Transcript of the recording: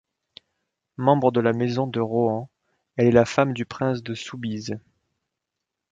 Membre de la Maison de Rohan, elle est la femme du prince de Soubise.